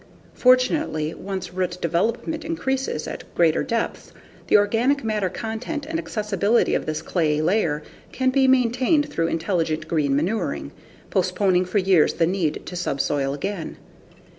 Fortunately, once root development increases at greater depths, the organic matter content and accessibility of this clayey layer can be maintained through intelligent green manuring, postponing for years the need to subsoil again.